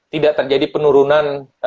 tidak terjadi penurunan